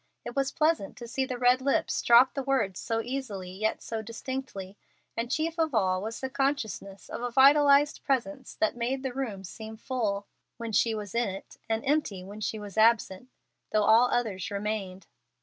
It was pleasant to see the red lips drop the words so easily yet so distinctly, and chief of all was the consciousness of a vitalized presence that made the room seem full when she was in it, and empty when she was absent, though all others remained.